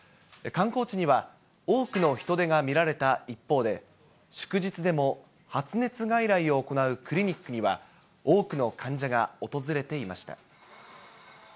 観光地には多くの人出が見られた一方で、祝日でも発熱外来を行うクリニックには、多くの患者が訪れていました。